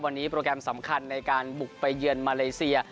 วันนี้โปรแกรมสำคัญในการบุกไปเยือนมาเลเซีย